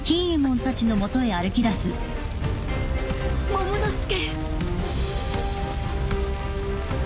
モモの助！